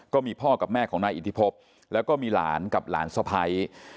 ก็มีพ่อกับแม่ของนายอิทธิพบแล้วก็มีหลานกับหลานสะพ้าย